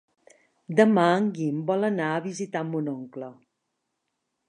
Demà en Guim vol anar a visitar mon oncle.